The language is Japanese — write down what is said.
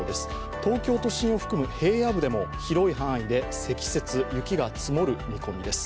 東京都心を含む平野部でも広い範囲で積雪、雪が積もる見込みです。